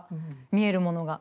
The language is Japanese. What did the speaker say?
見えるものが。